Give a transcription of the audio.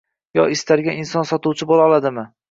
Yoki istalgan inson sotuvchi boʻla oladimi?